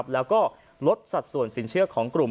แล้วก็ลดสัดส่วนสินเชื่อของกลุ่ม